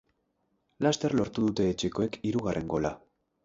Laster lortu dute etxekoek hirugarren gola.